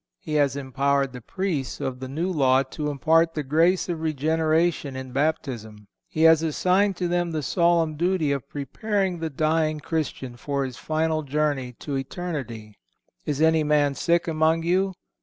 He has empowered the Priests of the New Law to impart the grace of regeneration in Baptism. He has assigned to them the solemn duty of preparing the dying Christian for his final journey to eternity: "Is any man sick among you?